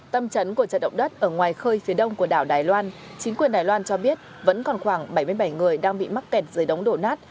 tâm trấn của trận động đất ở ngoài khơi phía đông của đảo đài loan chính quyền đài loan cho biết vẫn còn khoảng bảy mươi bảy người đang bị mắc kẹt dưới đống đổ nát